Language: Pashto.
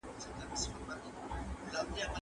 زه به سبا د کتابتون لپاره کار کوم،